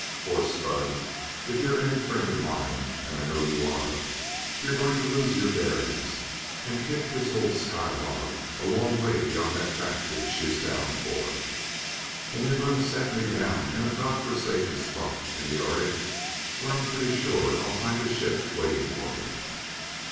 For, Spud, if you're any friend of mine, and I know you are, you're going to lose your bearings, and kick this old sky hog a long way beyond that factory she is bound for. And you're going to set me down in a God forsaken spot in the arctic where I'm pretty sure I'll find a ship waiting for me.